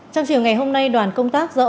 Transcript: trong chiều ngày hôm nay đoàn công tác do